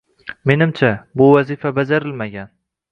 Menimcha, bu vazifa bajarilmagan